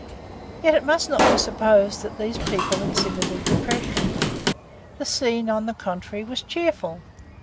Yet it must not be supposed that these people exhibited depression. The scene, on the contrary, was cheerful.